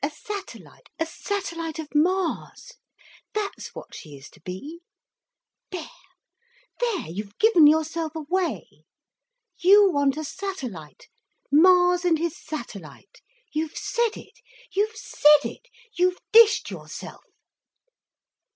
A satellite—a satellite of Mars—that's what she is to be! There—there—you've given yourself away! You want a satellite, Mars and his satellite! You've said it—you've said it—you've dished yourself!"